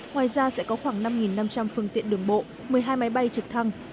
ngoài ra sẽ có khoảng năm năm trăm linh phương tiện đường bộ một mươi hai máy bay trực thăng